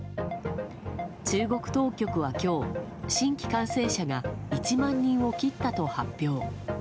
中国当局は今日新規感染者が１万人を切ったと発表。